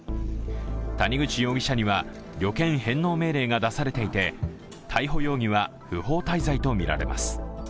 谷口容疑者には旅券返納命令が出されていて、逮捕容疑は、不法滞在とみられます。